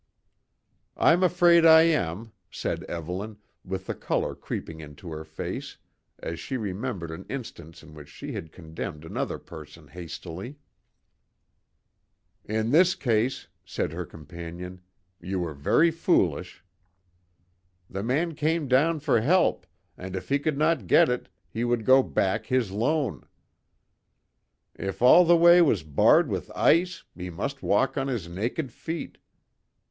"I'm afraid I am," said Evelyn, with the colour creeping into her face, as she remembered an instance in which she had condemned another person hastily. "In this case," said her companion, "ye were very foolish. The man came down for help, and if he could not get it, he would go back his lone; if all the way was barred with ice and he must walk on his naked feet.